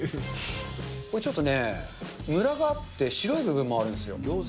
これちょっとね、むらがあって、白い部分もあるんですよ。